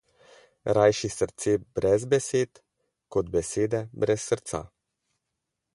Rajši srce brez besed kot besede brez srca.